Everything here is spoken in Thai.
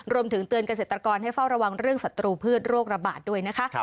รวมถึงเตือนเกษตรกรให้เฝ้าระวังเรื่องศัตรูพืชโรคระบาดด้วยนะคะ